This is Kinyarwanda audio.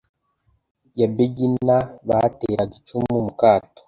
Ye Bagina bateraga icumu mu Kato